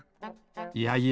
いやいや。